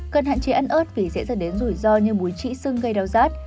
cần hạn chế ăn ớt vì dễ dàng đến rủi ro như mùi trĩ sưng gây đau rát